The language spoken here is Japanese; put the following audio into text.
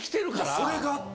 それがあって。